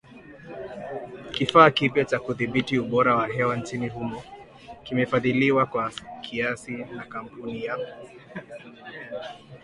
Kifaa kipya cha kudhibiti ubora wa hewa nchini humo kimefadhiliwa kwa kiasi na kampuni ya